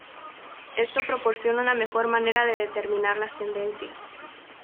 Esto proporciona una mejor manera de determinar las tendencias.